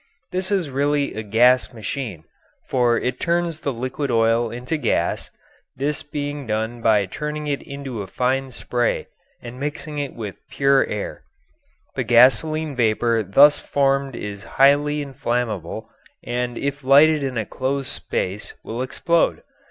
This is really a gas machine, for it turns the liquid oil into gas, this being done by turning it into fine spray and mixing it with pure air. The gasoline vapour thus formed is highly inflammable, and if lighted in a closed space will explode.